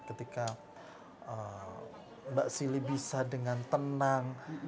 ketika mbak sili bisa dengan tenang